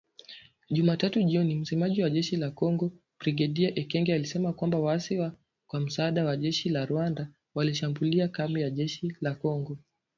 Jumatatu jioni, msemaji wa jeshi la Kongo Brigedia Ekenge, alisema kwamba “waasi kwa msaada wa jeshi la Rwanda, walishambulia kambi za jeshi la Kongo .